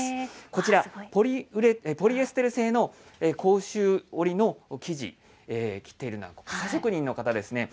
こちら、ポリエステル製の甲州織の生地、切っているのは傘職人の方ですね。